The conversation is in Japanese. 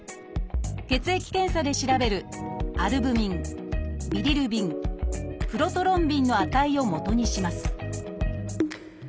血液検査で調べるアルブミンビリルビンプロトロンビンの値をもとにします